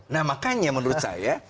nah makanya menurut saya